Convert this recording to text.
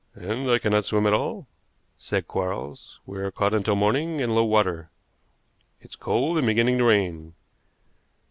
"And I cannot swim at all," said Quarles. "We are caught until morning and low water. It's cold, and beginning to rain.